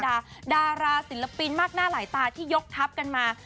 ดาดาราศิลปินมากหน้าหลายตาที่ยกทัพกันมา